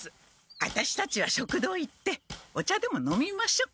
ワタシたちは食堂行ってお茶でも飲みましょ。